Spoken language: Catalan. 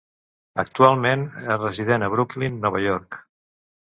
Actualment és resident de Brooklyn, Nova York.